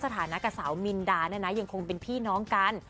สถานะกับสาวมินดาเนี่ยนะยังคงเป็นพี่น้องกัน